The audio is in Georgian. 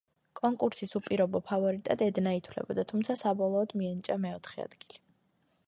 კონკურსის უპირობო ფავორიტად ედნა ითვლებოდა, თუმცა, საბოლოოდ, მიენიჭა მეოთხე ადგილი.